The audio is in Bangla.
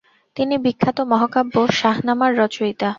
তিনি বিখ্যাত মহাকাব্য শাহনামার রচয়িতা।